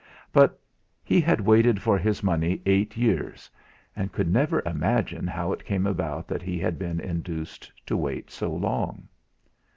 But he had waited for his money eight years, and could never imagine how it came about that he had been induced to wait so long.